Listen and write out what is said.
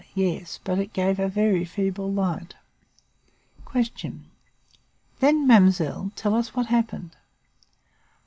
Yes, but it gave a very feeble light. "Q. Then, mademoiselle, tell us what happened.